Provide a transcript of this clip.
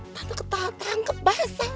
tante ketahang ketahang kebahasa